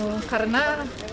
nggak mau divaksin